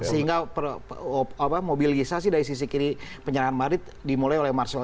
sehingga mobilisasi dari sisi kiri penyerangan madrid dimulai oleh marcel